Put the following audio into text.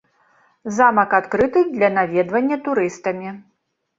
Замак адкрыты для наведвання турыстамі.